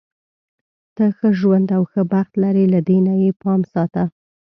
ته ښه ژوند او ښه بخت لری، له دې نه یې پام ساته.